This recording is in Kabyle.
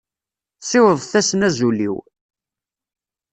Siwḍemt-asen azul-iw.